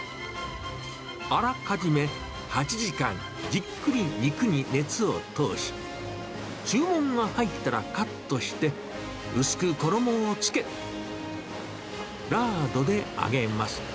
あらかじめ８時間、じっくり肉に熱を通し、注文が入ったらカットして、薄く衣をつけ、ラードで揚げます。